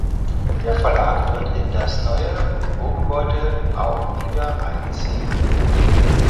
Der Verlag wird in das neue Bürogebäude auch wieder einziehen.